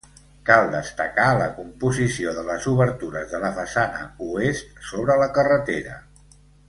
Cal destacar la composició de les obertures de la façana oest sobre la carretera.